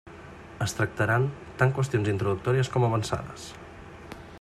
Es tractaran tant qüestions introductòries com avançades.